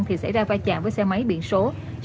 thì xảy ra va chạm với xe máy biển số